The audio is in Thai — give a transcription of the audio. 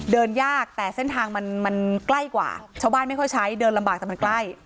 เดินยากแต่เส้นทางมันมันใกล้กว่าชาวบ้านไม่ค่อยใช้เดินลำบากแต่มันใกล้